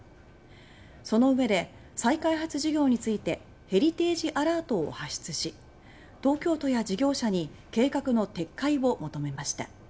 その上で、再開発事業について「ヘリテージ・アラート」を発出し東京都や事業者に計画の撤回を求めました。